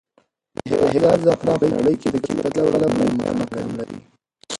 د هرات زعفران په نړۍ کې د کیفیت له پلوه لومړی مقام لري.